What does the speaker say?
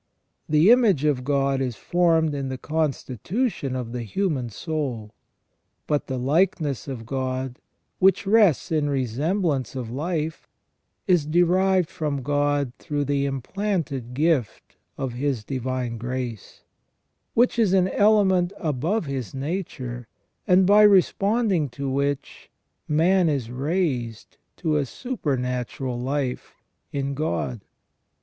The image of God is formed in the constitution of the human soul. But the likeness of God, which rests in resemblance of life, is derived from God through the implanted gift of His divine grace, which is an element above his nature, and by responding to which, man is raised to a supernatural life in God.